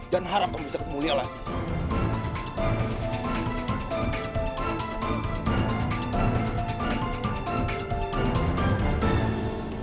dan harap kamu bisa kemuliaan lain